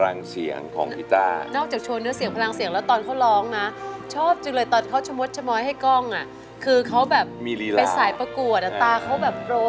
แบบเหมือนใช่น่ารักดูจังเลยกีต้าร์